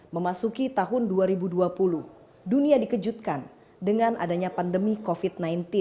memasuki tahun dua ribu dua puluh dunia dikejutkan dengan adanya pandemi covid sembilan belas